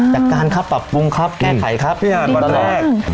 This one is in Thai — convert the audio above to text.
อยากการครับปรับปรุงครับแก้ไขครับพี่หันตอนแรก